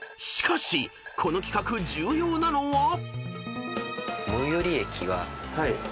［しかしこの企画重要なのは］